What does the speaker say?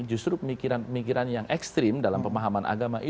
justru pemikiran pemikiran yang ekstrim dalam pemahaman agama